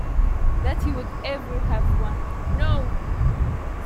That he would ever have one - no.